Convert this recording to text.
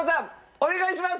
お願いします！